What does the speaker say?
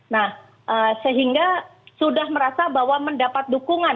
nah sehingga sudah merasa bahwa mendapat dukungan